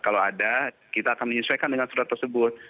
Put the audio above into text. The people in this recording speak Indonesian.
kalau ada kita akan menyesuaikan dengan surat tersebut